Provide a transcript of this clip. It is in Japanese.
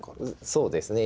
そうですね